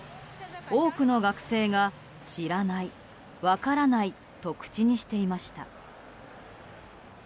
多くの学生が、知らない分からないと口にしていました。